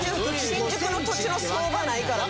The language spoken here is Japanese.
新宿の土地の相場ないからみんな。